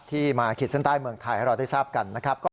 มาขีดเส้นใต้เมืองไทยให้เราได้ทราบกันนะครับ